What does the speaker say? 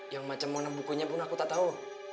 yang macam mona bukunya pun aku tak tau